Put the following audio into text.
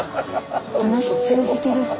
話通じてる。